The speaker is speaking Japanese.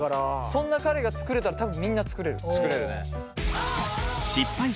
そんな彼が作れたら多分みんな作れる。